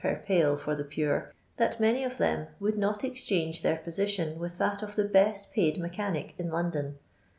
per pail for the pure, that many of them would not exchange their position with that of the best piiid mechanic in London.